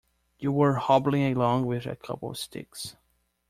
You were hobbling along with a couple of sticks!